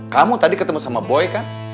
kamu tadi ketemu sama boy kan